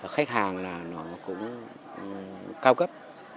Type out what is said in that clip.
khách hàng là nó cũng cao cấp